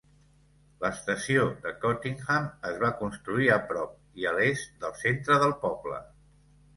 L'estació de Cottingham es va construir a prop i a l'est del centre del poble.